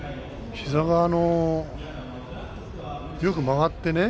膝があの、よく曲がってね